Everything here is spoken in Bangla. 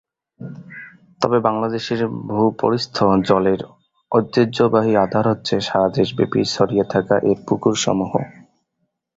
তবে বাংলাদেশের ভূপরিস্থ জলের ঐতিহ্যবাহী আধার হচ্ছে সারা দেশব্যাপী ছড়িয়ে থাকা এর পুকুরসমূহ।